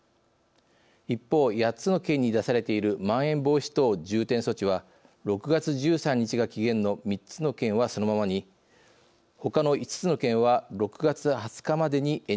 一方８つの県に出されているまん延防止等重点措置は６月１３日が期限の３つの県はそのままにほかの５つの県は６月２０日までに延長されました。